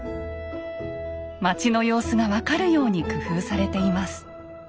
町の様子が分かるように工夫されています。